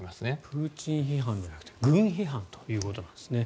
プーチン批判じゃなくて軍批判ということですね。